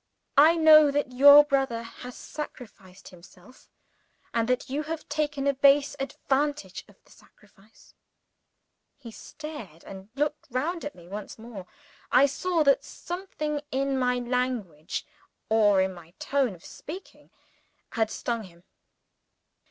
"I know that your brother has sacrificed himself and that you have taken a base advantage of the sacrifice." He started, and looked round at me once more. I saw that something in my language, or in my tone of speaking, had stung him.